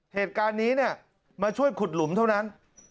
เหตุการณ์นี้เนี่ยมาช่วยขุดหลุมเท่านั้น